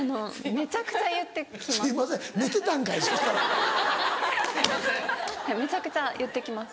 めちゃくちゃ言って来ます